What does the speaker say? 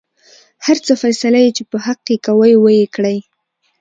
هر څه فيصله يې چې په حق کې کوۍ وېې کړۍ.